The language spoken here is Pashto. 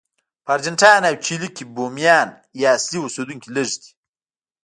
په ارجنټاین او چیلي کې بومیان یا اصلي اوسېدونکي لږ دي.